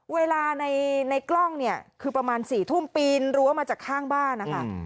เวลาในกล้องเนี่ยคือประมาณ๔ทุ่มปีนรั้วมาจากข้างบ้านนะคะ